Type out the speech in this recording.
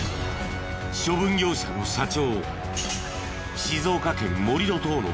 処分業者の社長